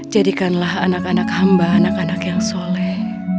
jadikanlah anak anak hamba anak anak yang soleh